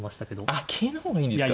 あっ桂の方がいいんですか。